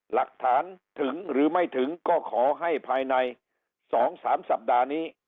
หลักฐานถึงหรือไม่ถึงก็ขอให้ภายใน๒๓สัปดาห์นี้